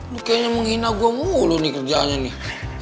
lo kayaknya menghina gue mulu nih kerjaannya nih